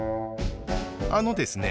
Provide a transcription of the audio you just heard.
あのですね。